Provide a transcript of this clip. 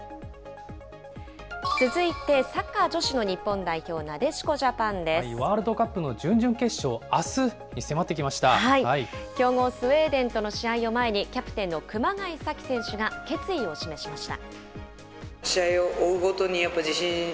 続いて、サッカー女子の日本代表、ワールドカップの準々決勝、強豪、スウェーデンとの試合を前に、キャプテンの熊谷紗希選手が決意を示しました。